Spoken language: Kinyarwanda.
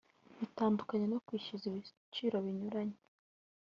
bitandukanye no kwishyuza ibiciro binyuranye